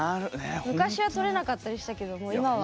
昔は撮れなかったりしたけどもう今は。